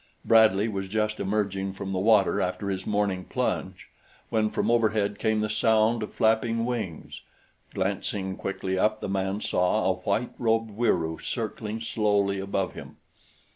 Bradley was just emerging from the water after his morning plunge when from overhead came the sound of flapping wings. Glancing quickly up the man saw a white robed Wieroo circling slowly above him.